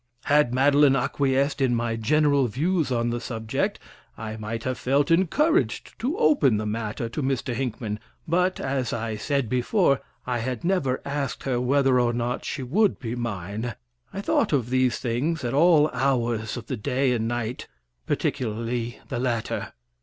Had Madeline acquiesced in my general views on the subject, I might have felt encouraged to open the matter to Mr. Hinckman; but, as I said before, I had never asked her whether or not she would be mine. I thought of these things at all hours of the day and night, particularly the latter.